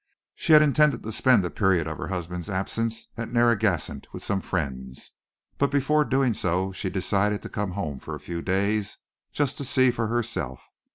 She had intended to spend the period of her husband's absence at Narragansett with some friends, but before doing so she decided to come home for a few days just to see for herself.